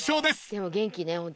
でも元気ね